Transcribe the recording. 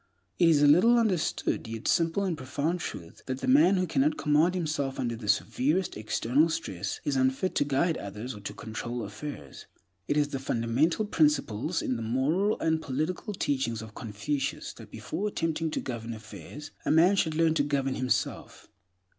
It is a little understood, yet simple and profound truth, that the man who cannot command himself under the severest external stress is unfit to guide others or to control affairs. It is the fundamental principle in the moral and political teachings of Confucius that, before attempting to govern affairs, a man should learn to govern himself.